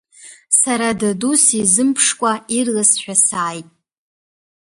Сара даду сизымԥшкәа ирласшәа сааит.